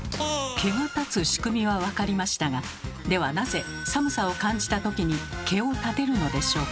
毛が立つ仕組みはわかりましたがではなぜ寒さを感じた時に毛を立てるのでしょうか？